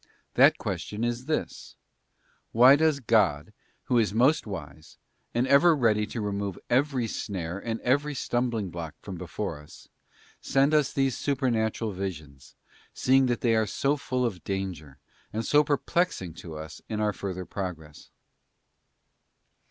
That question is this: Why does God Who is most wise, and ever ready to remove every snare and every stumbling block from before us, send us these supernatural visions, seeing that they are so full of danger, and so per plexing to us in our further progress